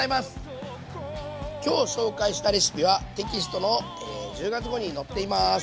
今日紹介したレシピはテキストの１０月号に載っています。